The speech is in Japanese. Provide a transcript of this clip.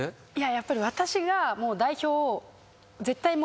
やっぱり私が。